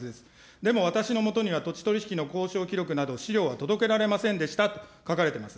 でも私のもとには土地取り引きの交渉記録など、資料は届けられませんでしたと書かれてます。